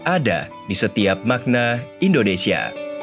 ada di setiap makna indonesia